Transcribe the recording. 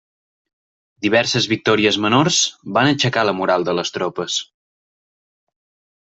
Diverses victòries menors van aixecar la moral de les tropes.